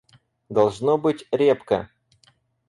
Должно быть, репка.